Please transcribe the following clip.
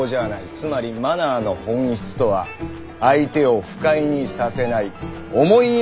つまり「マナー」の本質とは相手を不快にさせない思いやる気持ちにあるんだ。